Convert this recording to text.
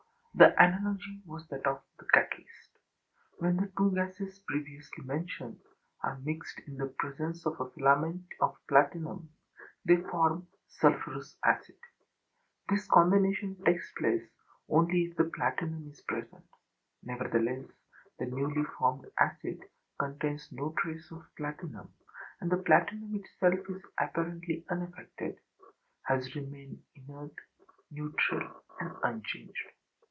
The analogy was that of the catalyst. When the two gases previously mentioned are mixed in the presence of a filament of platinum, they form sulphurous acid. This combination takes place only if the platinum is present; nevertheless the newly formed acid contains no trace of platinum, and the platinum itself is apparently unaffected; has remained inert, neutral, and unchanged.